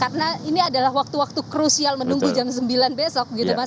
karena ini adalah waktu waktu krusial menunggu jam sembilan besok gitu mas